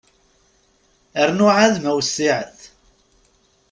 Rnu ɛad ma wessiɛet.